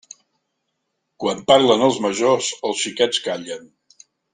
Quan parlen els majors, els xiquets callen.